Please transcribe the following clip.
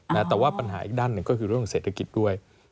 แต่ว่าปัญหาอีกด้านหนึ่งก็คือเรื่องเศรษฐกิจด้วย